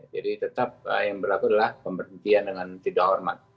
jadi tetap yang berlaku adalah pemberhentian dengan tidak hormat